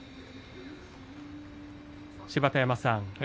芝田山さん